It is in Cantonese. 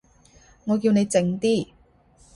我叫你靜啲